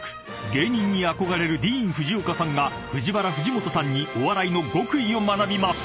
芸人に憧れるディーン・フジオカさんがＦＵＪＩＷＡＲＡ藤本さんにお笑いの極意を学びます］